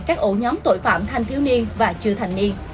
các ổ nhóm tội phạm thanh thiếu niên và chưa thành niên